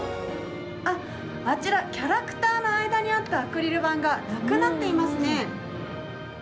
あちらキャラクターの間にあったアクリル板がなくなっていますね。